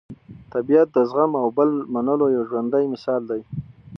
طبیعت د زغم او بل منلو یو ژوندی مثال دی.